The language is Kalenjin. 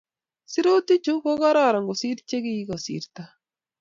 sirutik chu ko kororon kosir che kikosirto